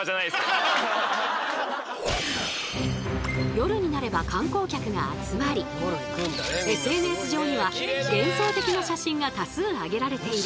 夜になれば観光客が集まりＳＮＳ上には幻想的な写真が多数上げられている工場の夜景！